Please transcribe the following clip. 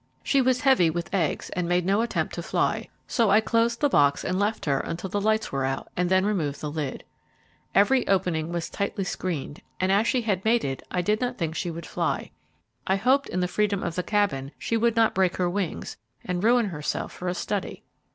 She was heavy with eggs, and made no attempt to fly, so I closed the box and left her until the lights were out, and then removed the lid. Every opening was tightly screened, and as she had mated, I did not think she would fly. I hoped in the freedom of the Cabin she would not break her wings, and ruin herself for a study.